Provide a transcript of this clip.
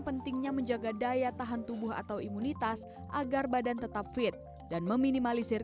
pentingnya menjaga daya tahan tubuh atau imunitas agar badan tetap fit dan meminimalisir